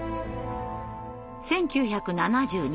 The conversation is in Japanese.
１９７２年。